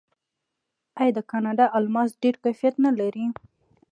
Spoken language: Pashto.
آیا د کاناډا الماس ډیر کیفیت نلري؟